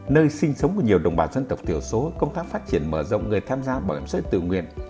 nơi sinh sống của nhiều đồng bào dân tộc thiểu số công tác phát triển mở rộng người tham gia bảo hiểm xã hội tự nguyện